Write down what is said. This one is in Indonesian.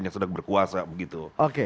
yang sedang berkuasa begitu